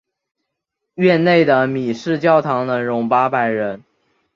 院内的米市教堂能容八百人。